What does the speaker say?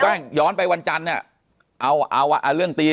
แต่คุณยายจะขอย้ายโรงเรียน